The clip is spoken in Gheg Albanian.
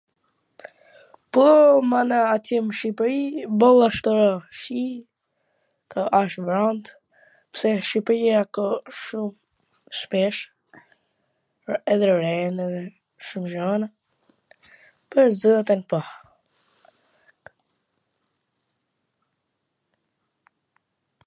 Po mana atje m Shqipri boll ashtw shi, asht vrant, pse Shqipria ka shum shpesh edhe rena edhe kshu gjana, pwr zotin po.